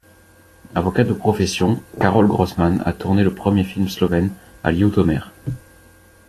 Avocat de profession, Karol Grossmann a tourné le premier film slovène à Ljutomer.